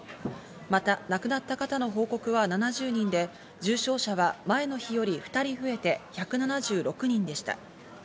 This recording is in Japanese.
まだ亡くなった方の報告は７０人で、重症者は前の日より２人増えて１７６人でした。